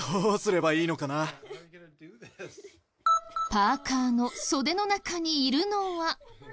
パーカーの袖の中にいるのは。